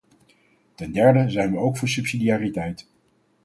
Ten derde zijn we ook voor subsidiariteit.